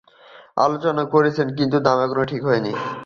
আলোচনা "চলছে, কিন্তু দাম এখনো ঠিক হয়নি,"